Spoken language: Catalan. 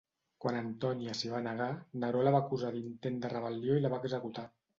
Quan Antonia s'hi va negar, Neró la va acusar d'intent de rebel·lió i la va executar.